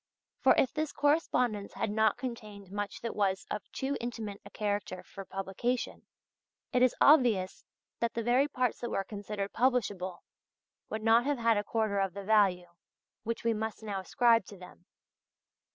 For if this correspondence had not contained much that was of too intimate a character for publication, it is obvious that the very parts that were considered publishable, would not have had a quarter of the value which we must now ascribe to them.